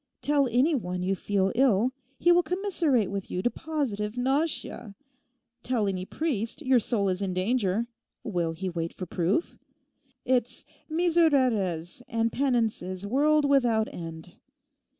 Tell any one you feel ill; he will commiserate with you to positive nausea. Tell any priest your soul is in danger; will he wait for proof? It's misereres and penances world without end.